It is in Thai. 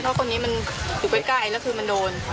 เพราะคนนี้มันอยู่ใกล้แล้วคือมันโดน